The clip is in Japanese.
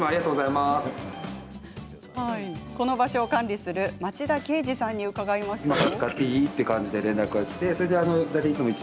この場所を管理する町田佳路さんに伺いました。